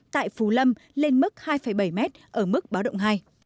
tại phú lâm lên mức hai bảy m ở mức báo động hai